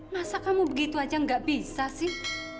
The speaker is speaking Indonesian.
masa kamu begitu aja gak bisa sih